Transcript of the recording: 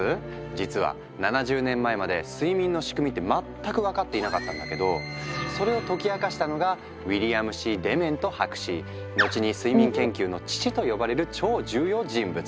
実は７０年前まで睡眠の仕組みって全く分かっていなかったんだけどそれを解き明かしたのが後に睡眠研究の父と呼ばれる超重要人物！